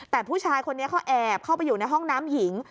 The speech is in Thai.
แต่ผู้ชายคนนี้เขาแอบเข้าไปอยู่ในห้องน้ำหญิง